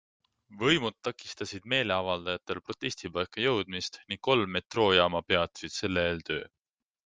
Võimud takistasid meeleavaldajatel protestipaika jõudmist ning kolm metroojaama peatasid selle eel töö.